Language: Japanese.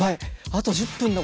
あと１０分だ